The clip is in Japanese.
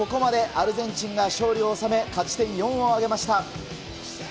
アルゼンチンが勝利を収め、勝ち点４を挙げました。